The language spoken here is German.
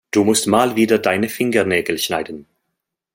Du musst mal wieder deine Fingernägel schneiden.